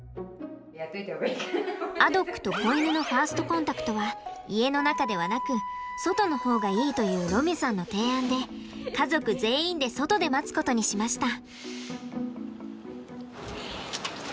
アドックと子犬のファーストコンタクトは家の中ではなく外の方がいいというロミュさんの提案で家族全員で外で待つことにしました。